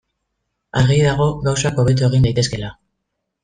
Argi dago gauzak hobeto egin daitezkeela.